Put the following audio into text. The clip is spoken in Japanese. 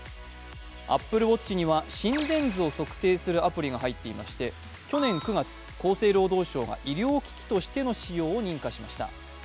ＡｐｐｌｅＷａｔｃｈには心電図を測定するアプリが入っていまして去年９月、厚生労働省が医療機器としての使用を認可しました。